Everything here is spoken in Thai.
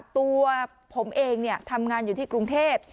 ตัวผมเองทำงานอยู่ที่กรุงเทพ